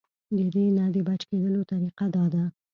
د دې نه د بچ کېدو طريقه دا ده -